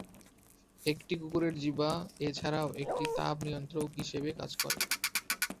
একটি কুকুরের জিহ্বা এছাড়াও একটি তাপ নিয়ন্ত্রক হিসেবে কাজ করে।